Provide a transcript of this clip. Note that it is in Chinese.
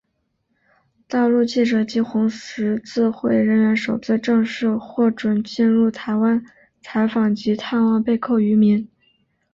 大陆记者及红十字会人员首次正式获准进入台湾采访及探望被扣渔民。